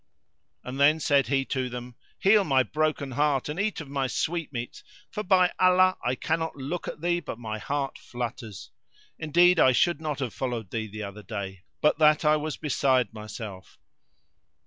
And then said he to them, "Heal my broken heart and eat of my sweetmeats; for, by Allah, I cannot look at thee but my heart flutters. Indeed I should not have followed thee the other day, but that I was beside myself."